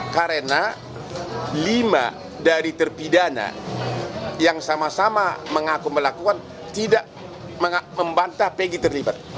karena lima dari terpidana yang sama sama mengaku melakukan tidak membantah peggy terlibat